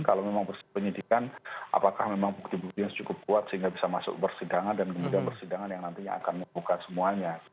kalau memang persidangan apakah memang bukti buktinya cukup kuat sehingga bisa masuk persidangan dan kemudian persidangan yang nantinya akan membuka semuanya